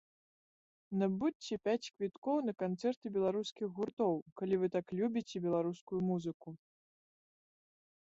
Набудзьце пяць квіткоў на канцэрты беларускіх гуртоў, калі вы так любіце беларускую музыку.